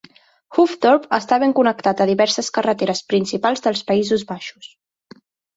Hoofddorp està ben connectat a diverses carreteres principals dels Països Baixos.